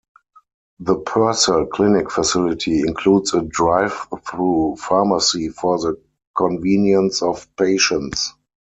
The Purcell Clinic facility includes a drive through pharmacy for the convenience of patients.